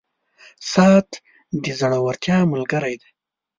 • ساعت د زړورتیا ملګری دی.